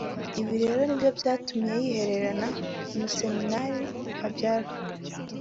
ibi rero nibyo byatumye yihererana Umuseminali Habyala